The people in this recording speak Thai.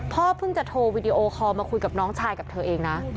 พ่อเพิ่งจะโทรวีดีโอคอลมาคุยกับน้องชายกับเธอเองนะ